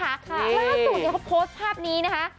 ล่าสุดเขาโพสต์ภาพนี้นะคะ